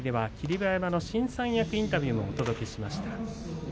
馬山の新三役インタビューもお届けしました。